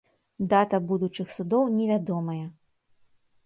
Дата будучых судоў невядомая.